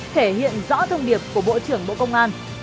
thể hiện rõ thông điệp của bộ trưởng bộ công an